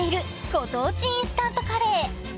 ご当地インスタントカレー。